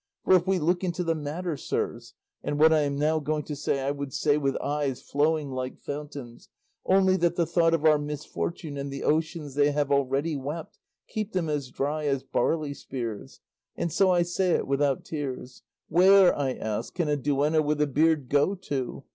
For if we look into the matter, sirs (and what I am now going to say I would say with eyes flowing like fountains, only that the thought of our misfortune and the oceans they have already wept, keep them as dry as barley spears, and so I say it without tears), where, I ask, can a duenna with a beard go to?